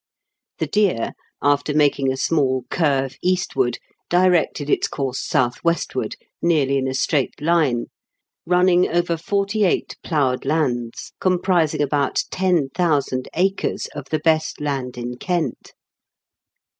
The deer, after making a small curve eastward, directed its course south westward, nearly in a straight line, running over forty eight ploughed lands, comprising about ten thousand acres of the best land in Kent.